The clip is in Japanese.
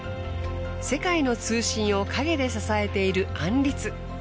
世界の通信を陰で支えているアンリツ。